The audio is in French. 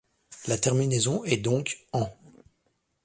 La terminaison est donc -ant.